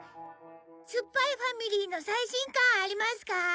『すっぱいファミリー』の最新刊ありますか？